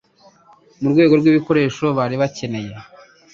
Mu rwego rw'ibikoresho bari bakeneye